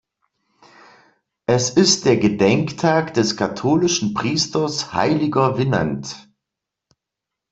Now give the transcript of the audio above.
Es ist der Gedenktag des katholischen Priesters Heiliger Winand.